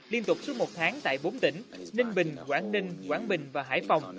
liên tục suốt một tháng tại bốn tỉnh ninh bình quảng ninh quảng bình và hải phòng